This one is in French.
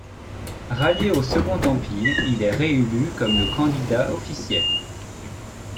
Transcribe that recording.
Rallié au Second Empire, il est réélu le comme candidat officiel.